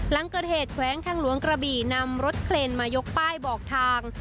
หลังเกิดเหตุแขวงทางหลวงกระบี่นำรถเคลนมายกป้ายบอกทาง